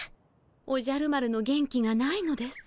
おじゃる丸の元気がないのです。